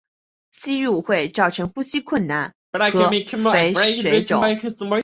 吸入会造成呼吸困难和肺水肿。